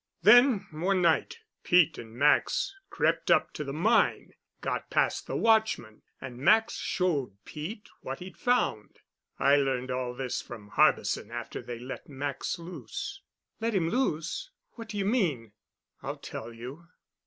Then one night Pete and Max crept up to the mine, got past the watchman, and Max showed Pete what he'd found. I learned all this from Harbison after they let Max loose." "Let him loose? What do you mean?" "I'll tell you.